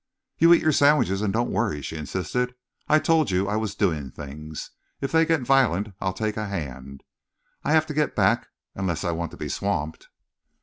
"You eat your sandwiches and don't worry," she insisted. "I told you I was doing things. If they get violent, I'll take a hand. I'll have to get back unless I want to be swamped."...